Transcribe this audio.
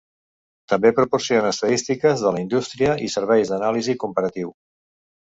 També proporciona estadístiques de la indústria i serveis d'anàlisi comparatiu.